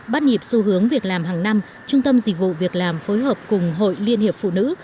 bắt nhịp xu hướng việc làm hàng năm trung tâm dịch vụ việc làm phối hợp cùng hội liên hiệp phụ nữ